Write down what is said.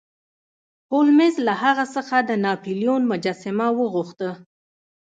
هولمز له هغه څخه د ناپلیون مجسمه وغوښته.